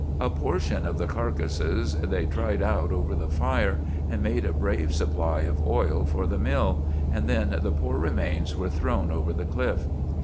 A portion of the carcases they tried out over the fire, and made a brave supply of oil for the mill, and then the poor remains were thrown over the cliff.